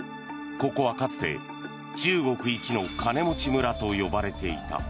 ここはかつて中国一の金持ち村と呼ばれていた。